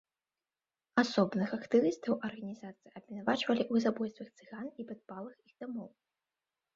Асобных актывістаў арганізацыі абвінавачвалі ў забойствах цыган і падпалах іх дамоў.